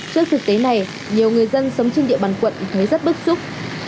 trước thực tế này nhiều người dân sống trên địa bàn quận thấy rất bức xúc